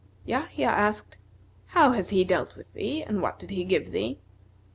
Yahya asked, "How hath he dealt with thee and what did he give thee?"